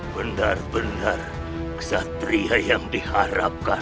benar benar kesatria yang diharapkan